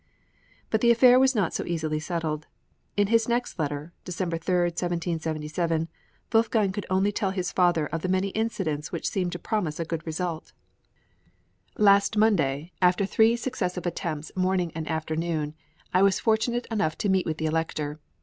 But the affair was not so easily settled; in his next letter (December 3, 1777) Wolfgang could only tell his father of the many incidents which seemed to promise a good result: Last Monday, after three successive attempts morning and afternoon, I was fortunate enough to meet with the Elector.